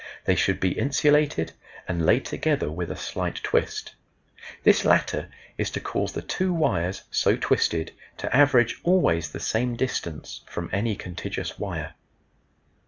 They should be insulated and laid together with a slight twist. This latter is to cause the two wires so twisted to average always the same distance from any contiguous wire.